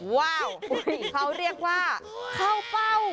ว้าวเขาเรียกว่าเข้าเฝ้า